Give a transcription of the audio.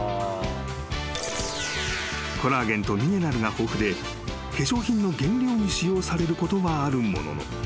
［コラーゲンとミネラルが豊富で化粧品の原料に使用されることはあるものの］